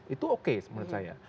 itu oke menurut saya